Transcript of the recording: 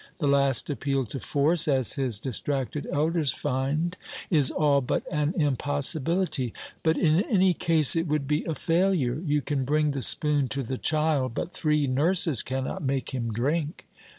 The last appeal to force, as his distracted elders find, is all but an impossibility; but in any case it would be a failure. You can bring the spoon to the child, but three nurses cannot make him drink.